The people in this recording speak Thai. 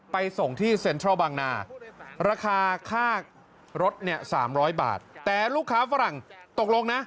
ไปส่งที่เซ็นทรัลบางนาราคาค่ารถเนี่ย๓๐๐บาทแต่ลูกค้าฝรั่งตกลงนะ